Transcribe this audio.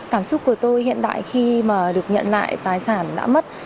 cảm xúc của tôi hiện đại khi mà được nhận lại tài sản đã mất